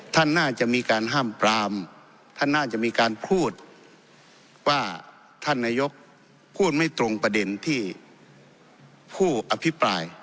ท่านน่าจะมีการห้ามปรามท่านน่าจะมีการพูดว่าท่านนายกพูดไม่ตรงประเด็นที่ผู้อภิปราย